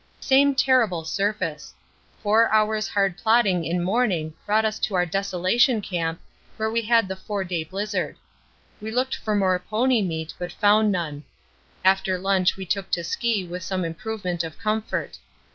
Same terrible surface; four hours' hard plodding in morning brought us to our Desolation Camp, where we had the four day blizzard. We looked for more pony meat, but found none. After lunch we took to ski with some improvement of comfort.